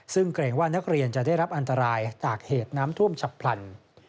ซึ่งเกรงว่านักเรียนจะได้รับอันตรายจากเหตุน้ำท่วมฉับพลัน